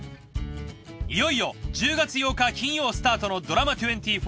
いよいよ１０月８日金曜スタートのドラマ２４